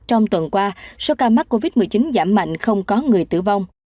trong tuần qua số ca mắc covid một mươi chín giảm mạnh không có người tử vong